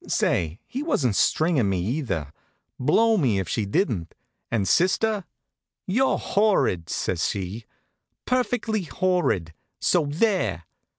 Say, he wasn't stringin' me either. Blow me if she didn't. And sister? "You're horrid!" says she. "Perfectly horrid. So there!"